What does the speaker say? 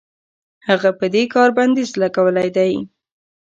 هغه په دې کار بندیز لګولی دی.